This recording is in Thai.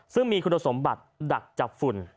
ซึ่งมีคุณสมบัติดักจับฝุ่น